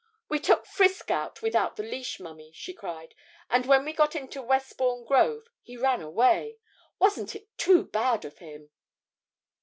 'We took Frisk out without the leash, mummy,' she cried, 'and when we got into Westbourne Grove he ran away. Wasn't it too bad of him?'